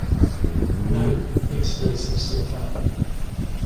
No explosives were found.